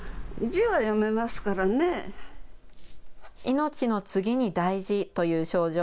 命の次に大事という賞状。